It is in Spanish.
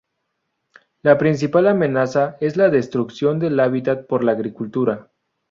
La principal amenaza es la destrucción del hábitat por la agricultura.